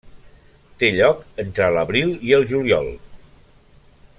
Té lloc entre l'abril i el juliol.